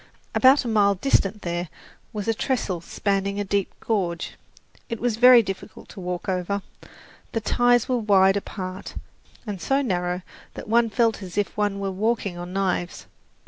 About a mile distant there was a trestle spanning a deep gorge. It was very difficult to walk over, the ties were wide apart and so narrow that one felt as if one were walking on knives.